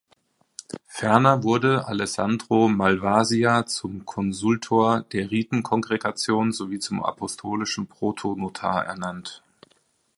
Ferner wurde Alessandro Malvasia zum Konsultor der Ritenkongregation sowie zum Apostolischen Protonotar ernannt.